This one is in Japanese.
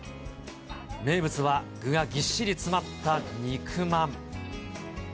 名物は、具がぎっしり詰まった肉まん。